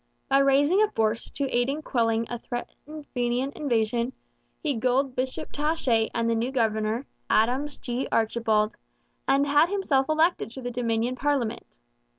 By raising a force to aid in quelling a threatened Fenian invasion, he gulled Bishop Taché and the new governor, Adams G. Archibald, and had himself elected to the Dominion parliament.